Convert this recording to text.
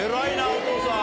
お父さん。